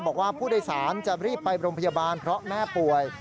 บอกว่าผู้โดยสารจะรีบไปโรงพยาบาลเพราะแม่ป่วย